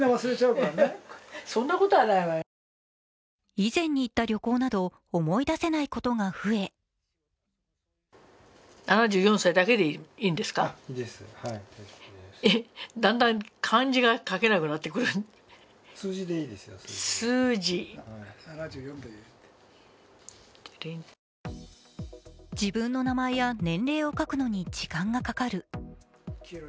以前に行った旅行など思い出せないことが増え自分の名前や年齢を書くのに時間がかかる。